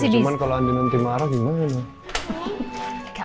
cuman kalau andin nanti marah gimana